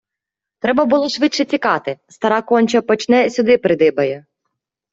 Треба було швидше тікати, - стара конче почне, сюди придибає.